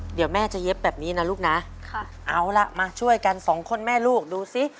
เดี๋ยวแม่จะเย็บแบบนี้นะลูกนะค่ะเอาล่ะมาช่วยกันสองคนแม่ลูกดูสิ